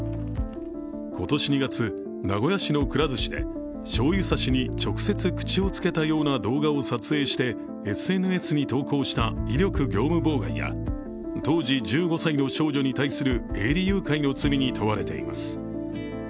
今年２月、名古屋市のくら寿司でしょうゆ差しに直接口をつけたような動画を撮影してＳＮＳに投稿した威力業務妨害や当時１５歳の少女に対する営利誘拐の罪に問われています。